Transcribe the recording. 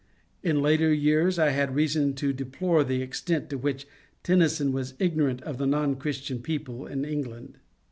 In later years I had reason to deplore the extent to which Tennyson was ignorant of the non Christian people in Eng land.